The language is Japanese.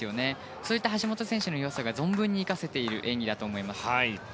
そういった橋本選手の良さが存分に生かせている演技だと思います。